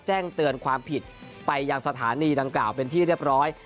แจ้งเตือนความผิดไปยังสถานีดังกล่าวเป็นที่เรียบร้อย